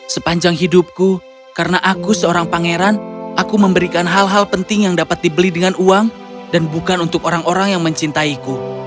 sepanjang hidupku karena aku seorang pangeran aku memberikan hal hal penting yang dapat dibeli dengan uang dan bukan untuk orang orang yang mencintaiku